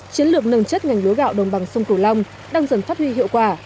chiến lược nâng chất ngành lúa gạo đồng bằng sông cửu long đang dần phát huy hiệu quả